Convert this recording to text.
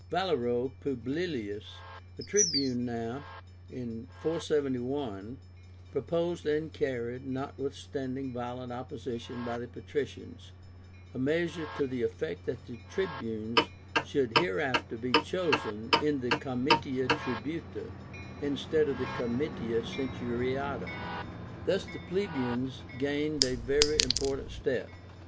VALERO PUBLILIUS, a Tribune, now (471) proposed and carried, notwithstanding violent opposition by the patricians, a measure to the effect that the Tribunes should hereafter be chosen in the Comitia Tribúta, instead of the Comitia Centuriáta. Thus the plebeians gained a very important step.